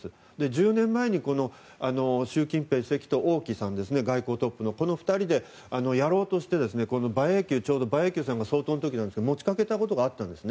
１０年前に習近平主席と王毅さん、外交トップの２人でやろうとして、馬英九さんがちょうど相当の時なんですが持ち掛けたことがあったんです。